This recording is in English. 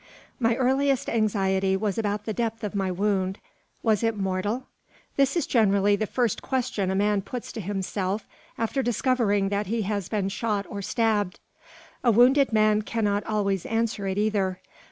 My earliest anxiety was about the depth of my wound. Was it mortal? This is generally the first question a man puts to himself, after discovering that he has been shot or stabbed. A wounded man cannot always answer it either.